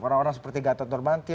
orang orang seperti gatot nurmanti